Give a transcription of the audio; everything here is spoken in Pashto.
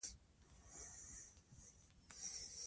د ملالۍ اتلولي وستایه.